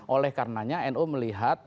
oleh karenanya nu melihat